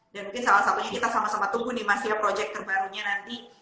dan mungkin salah satunya kita sama sama tunggu nih mas ya projek terbarunya nanti